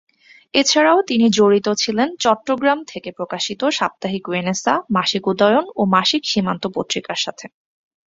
এছাড়াও তিনি জড়িত ছিলেন চট্টগ্রাম থেকে প্রকাশিত সাপ্তাহিক রেনেসাঁ, মাসিক উদয়ন ও মাসিক সীমান্ত পত্রিকার সাথে।